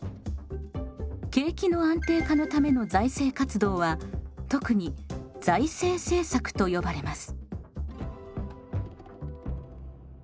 景気の安定化のための財政活動は特に財政政策と呼ばれます。